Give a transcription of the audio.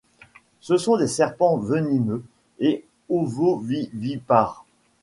Ce sont des serpents venimeux et ovovivipares.